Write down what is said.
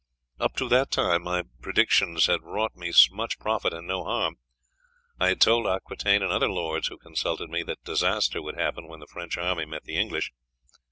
Up to that time my predictions had wrought me much profit and no harm. I had told Aquitaine and other lords who consulted me that disaster would happen when the French army met the English.